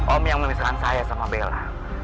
om yang memisahkan saya sama bella